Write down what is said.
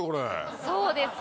そうです！